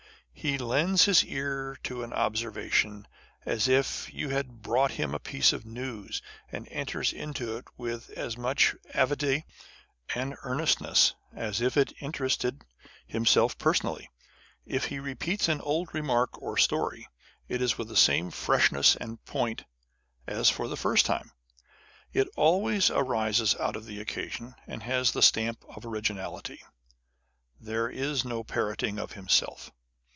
He lends his ear to an obser vation as if you had brought him a piece of news, and enters into it with as much avidity and earnestness as if it interested himself personally. If he repeats an old remark or story, it is with the same freshness and point as for the first time. It always arises out of the occasion, and lias the stamp of originality. There is no parroting of himself.